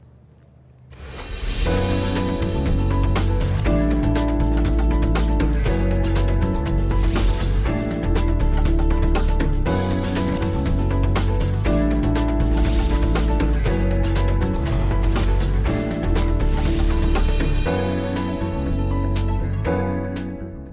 sampai jumpa lagi